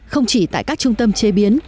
không chỉ tại các trung tâm chế biến